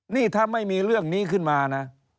นี่ถ้าไม่มีเรื่องนี้ขึ้นมานะ